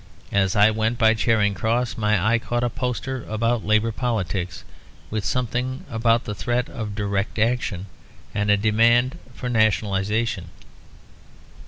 As I went by Charing Cross my eye caught a poster about Labour politics, with something about the threat of Direct Action and a demand for Nationalisation.